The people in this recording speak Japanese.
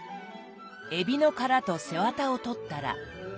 えびの殻と背わたを取ったら。